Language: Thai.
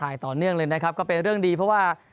ต่อเนื่องเลยนะครับก็เป็นเรื่องดีเพราะว่า